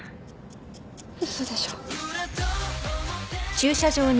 嘘でしょ。